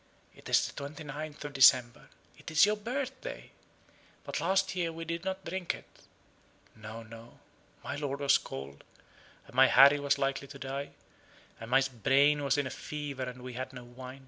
"It is the 29th of December it is your birthday! But last year we did not drink it no, no. My lord was cold, and my Harry was likely to die: and my brain was in a fever; and we had no wine.